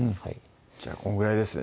じゃあこのぐらいですね